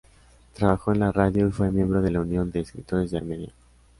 Trabajó en la radio y fue miembro de la Unión de escritores de Armenia.